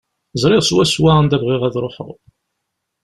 Ẓriɣ swaswa anda bɣiɣ ad ruḥeɣ.